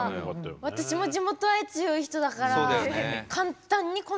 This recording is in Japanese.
私も地元愛強い人だからそうですよ。